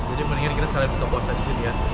jadi mendingan kita sekalian buka puasa di sini ya